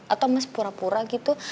atau masih pura pura gitu